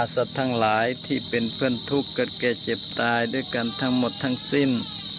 สัตว์ทั้งหลายที่เป็นเพื่อนทุกข์กับแก่เจ็บตายด้วยกันทั้งหมดทั้งสิ้น